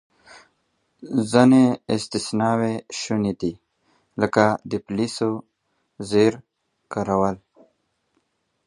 ځینې استثناوې شونې دي، لکه د پولیسو زور کارول.